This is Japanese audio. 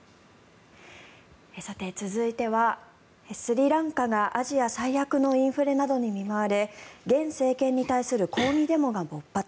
続いては、スリランカがアジア最悪のインフレなどに見舞われ現政権に対する抗議デモが勃発。